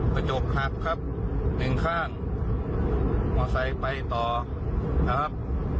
กระจกหักครับหนึ่งข้างมอไซค์ไปต่อนะครับ